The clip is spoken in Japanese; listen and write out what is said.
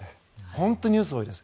本当にニュース、多いです。